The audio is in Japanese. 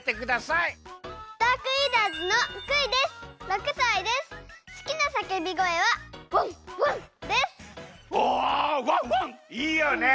いいよね。